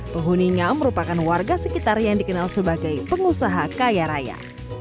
penghuninya merupakan warga sekitar yang dikenal sebagai pengusaha kaya raya